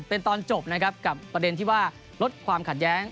เป็นตอนจบนะครับกับประเด็นที่ว่าลดความขัดแย้ง